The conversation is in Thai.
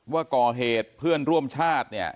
ว่าก่อเหตุเพื่อนร่วมชาติเนี่ย